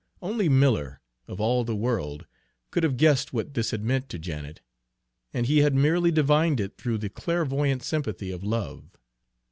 Only Miller, of all the world, could have guessed what this had meant to Janet, and he had merely divined it through the clairvoyant sympathy of love.